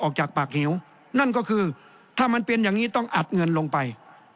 ออกจากปากเหวนั่นก็คือถ้ามันเป็นอย่างนี้ต้องอัดเงินลงไป